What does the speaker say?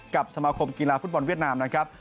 สมาคมกีฬาฟุตบอลเวียดนามนะครับ